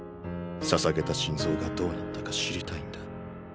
捧げた心臓がどうなったか知りたいんだ。